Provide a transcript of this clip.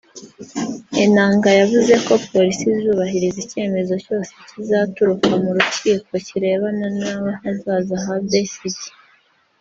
Enanga yavuze ko Polisi izubahiriza icyemezo cyose kizaturuka mu rukiko kirebana n’ahazaza ha Besigye